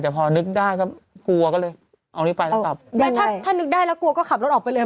แต่พอนึกได้ก็กลัวก็เลยเอานี้ไปแล้วกลับแล้วถ้าถ้านึกได้แล้วกลัวก็ขับรถออกไปเลย